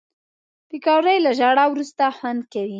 پکورې له ژړا وروسته خوند کوي